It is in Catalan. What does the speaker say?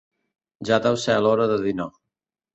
Ja deu ser l'hora de dinar.